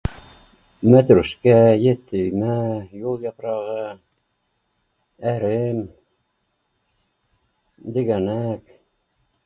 Мәтрүшкә, йөҙ төймә, юл япрағы, әрем, дегәнәк